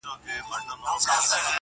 له آمو تر مست هلمنده مامن زما دی.!